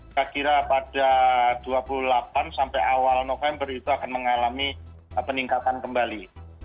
kira kira pada dua puluh delapan sampai awal november itu akan mengalami peningkatan kembali